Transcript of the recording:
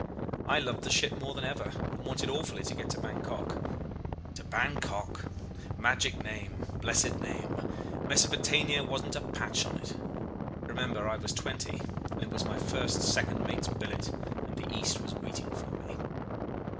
I loved the ship more than ever, and wanted awfully to get to Bankok. To Bankok! Magic name, blessed name. Mesopotamia wasn't a patch on it. Remember I was twenty, and it was my first second mate's billet, and the East was waiting for me.